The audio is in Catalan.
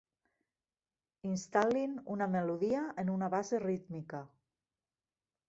Instal·lin una melodia en una base rítmica.